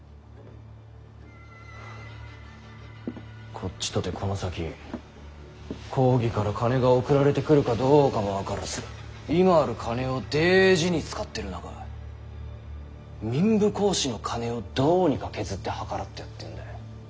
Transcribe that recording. こっちとてこの先公儀から金が送られてくるかどうかも分からず今ある金を大事に使ってる中民部公子の金をどうにか削って計らってやってんだ。